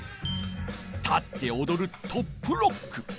立っておどる「トップロック」。